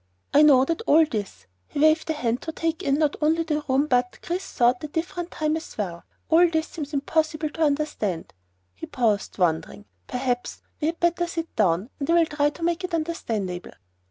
"I know that all this " he waved a hand to take in not only the room but, Chris thought, the different time as well, " all this seems impossible to understand." He paused, pondering. "Perhaps we had better sit down and I will try to make it understandable."